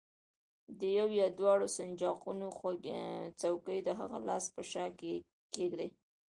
د یوه یا دواړو سنجاقونو څوکې د هغه لاس په شا کېږدئ.